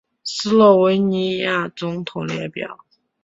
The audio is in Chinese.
斯洛文尼亚总统列表